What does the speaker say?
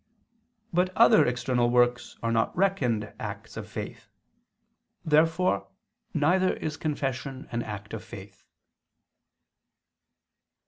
But other external works are not reckoned acts of faith. Therefore neither is confession an act of faith.